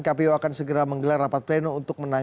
kapiwak akan segera menggelar rapat penyelidikan